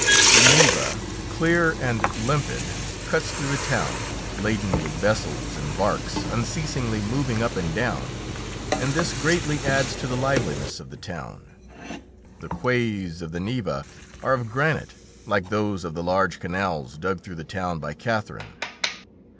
The Neva, clear and limpid, cuts through the town, laden with vessels and barks unceasingly moving up and down, and this greatly adds to the liveliness of the town. The quays of the Neva are of granite, like those of the large canals dug through the town by Catherine.